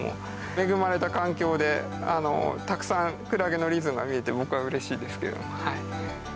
恵まれた環境でたくさんクラゲのリズムが見れて僕はうれしいですけれども。